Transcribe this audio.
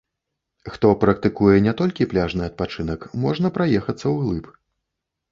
Хто практыкуе не толькі пляжны адпачынак, можна праехацца ўглыб.